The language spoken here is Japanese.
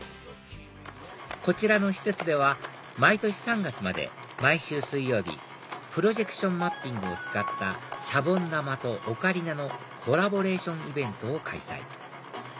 こちらの施設では毎年３月まで毎週水曜日プロジェクションマッピングを使ったシャボン玉とオカリナのコラボレーションイベントを開催